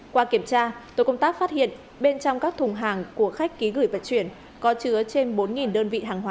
qua kiểm tra tổ công tác phát hiện bên trong các thùng hàng của khách ký gửi vận chuyển có chứa trên bốn đơn vị hàng hóa